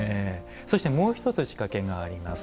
そしてもう一つ仕掛けがあります。